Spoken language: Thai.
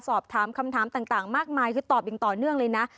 สอบถามคำถามต่างมากมายคือตอบอย่างต่อเนื่องเลยนะ